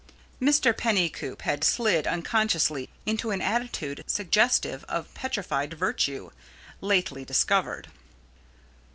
Mr. Pennycoop had slid unconsciously into an attitude suggestive of petrified virtue, lately discovered.